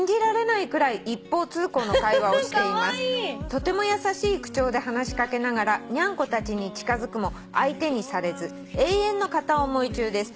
「とても優しい口調で話し掛けながらニャンコたちに近づくも相手にされず永遠の片思い中です」